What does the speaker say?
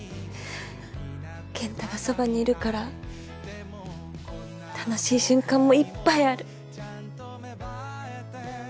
健太がそばにいるから楽しい瞬間もいっぱいある。